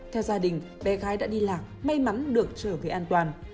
theo gia đình bé gái đã đi lạc may mắn được trở về an toàn